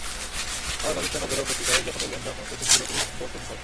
আবার পাকিস্তান অবজারভার পত্রিকায় যখন এলেন, তখন তো তিনি পুরোপুরি স্পোর্টস এডিটর।